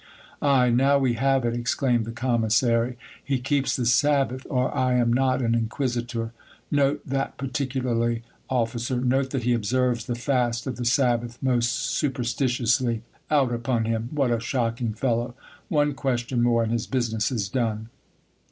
Ay ! now we have it, exclaimed the commissary. He keeps the sabbath, or I am not an inquisitor. Note that particularly, officer ; note that he observes the fast of the sabbath most superstitiously ! Out upon him ! What a shocking fellow ! One question more, and his business is done.